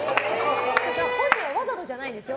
本人はわざとじゃないんですよ。